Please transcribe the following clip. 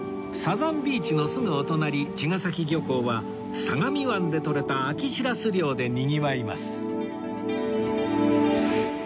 サザンビーチのすぐお隣茅ヶ崎漁港は相模湾でとれた秋シラス漁でにぎわいます